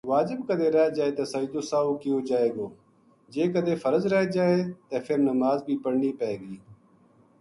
واجب کدے رہ جائے تے سجدو سہوو کیو جائے گو جے کدے فرض رہ جائے تے فر نماز بھی پڑھنی پے گی۔